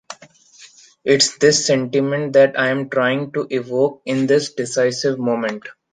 Its this sentiment that I’m trying to evoke in this decisive moment.